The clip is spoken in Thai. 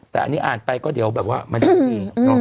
แต่อันนี้อ่านไปก็เดี๋ยวแบบว่ามันจะมี